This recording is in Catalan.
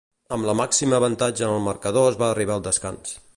Amb la màxima avantatge en el marcador es va arribar al descans.